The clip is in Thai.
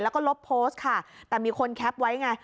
แล้วก็ลบโพสต์ค่ะแต่มีคนแคปไว้ไง